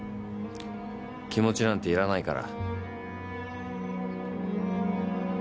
気持ちなんていらないから。